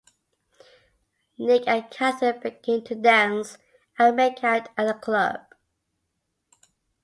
Nick and Catherine begin to dance and make out at a club.